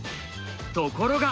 ところが。